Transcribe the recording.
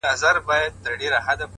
هره تجربه نوی اړخ ښکاره کوي؛